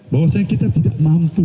bahwasanya kita tidak mampu